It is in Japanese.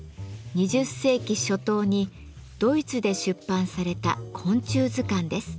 ２０世紀初頭にドイツで出版された昆虫図鑑です。